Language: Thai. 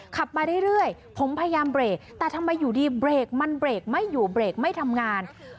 ขับมาเรื่อยผมพยายามเบรกแต่ทำไมอยู่ดีเบรกมันเบรกไม่อยู่เบรกไม่ทำงาน